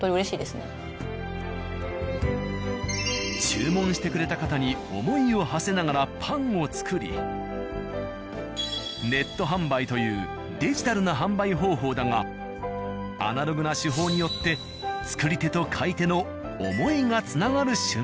注文してくれた方に思いをはせながらパンを作りネット販売というデジタルな販売方法だがアナログな手法によって作り手と買い手の思いがつながる瞬間。